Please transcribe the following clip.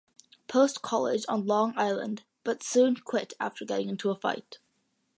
Post College on Long Island but soon quit after getting into a fight.